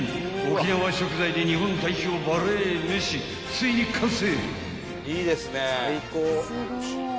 ［ついに完成！］